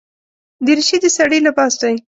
دریشي د سړي لباس دی.